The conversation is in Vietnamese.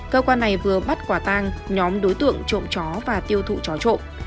cơ quan này vừa bắt quả tang nhóm đối tượng trộm chó và tiêu thụ chó trộn